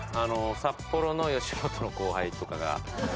札幌の吉本の後輩とかが。